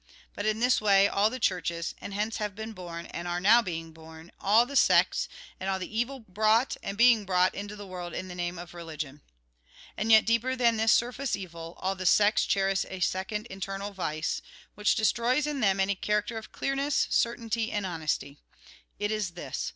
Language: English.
But in this way reason all the Churches ; and hence have been born, and are now being born, all the sects and all the evil brought, and being brought, into the world in the name of religion. 14 THE GOSPEL IN BRIEF And yet deeper than this surface evil, all the sects cherish a second internal vice, which destroys in them any character of clearness, certainty, and honesty. It is this.